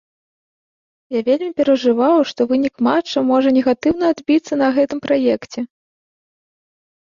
Я вельмі перажываў, што вынік матча можа негатыўна адбіцца на гэтым праекце.